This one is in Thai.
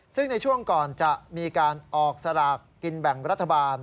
ซึ่งในช่วงก่อนจะมีการออกสลากกินแบ่งรัฐบาล